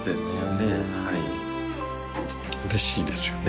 うれしいですよね。